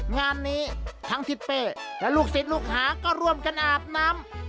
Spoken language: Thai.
งานนี้ทั้งทิศเป้และลูกศิษย์ลูกหาก็ร่วมกันอาบน้ำ